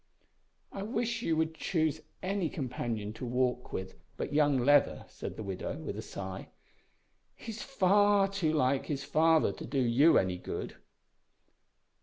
"I wish you would choose any companion to walk with but young Leather," said the widow, with a sigh. "He's far too like his father to do you any good."